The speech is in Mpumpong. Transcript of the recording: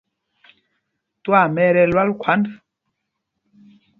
Twaama ɛ tí ɛlwal khwǎnd.